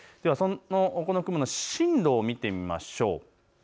この雲の進路を見てみましょう。